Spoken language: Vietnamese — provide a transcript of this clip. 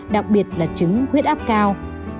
đặc biệt là chứng huyết áp cao